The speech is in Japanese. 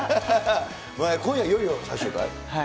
今夜いよいよ最終回？